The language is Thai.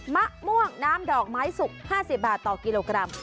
มะม่วงน้ำดอกไม้สุก๕๐บาทต่อกิโลกรัม